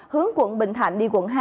hướng quận bình thạnh đi quận hai